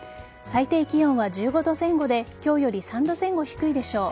最低気温は１５度前後で今日より３度前後低いでしょう。